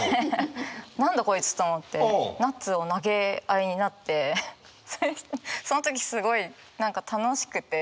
何だこいつと思ってナッツを投げ合いになってその時すごい何か楽しくて。